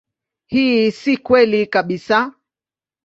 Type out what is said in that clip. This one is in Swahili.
Hii si kweli kabisa.